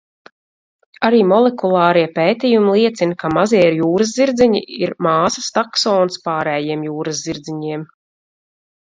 Arī molekulārie pētījumi liecina, ka mazie jūraszirdziņi ir māsas taksons pārējiem jūraszirdziņiem.